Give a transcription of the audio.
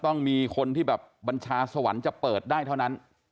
ต้องมีคนที่แบบบัญชาสวรรค์จะเปิดได้เท่านั้น